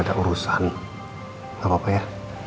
ada urusan gapapa ya